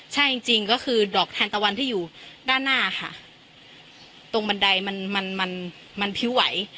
ใช่จริงจริงก็คือดอกทานตะวันที่อยู่ด้านหน้าค่ะตรงบันไดมันมันพิ้วไหว